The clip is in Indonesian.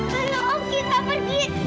tolong kita pergi